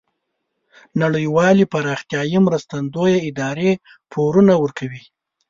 نړیوالې پراختیایې مرستندویه ادارې پورونه ورکوي.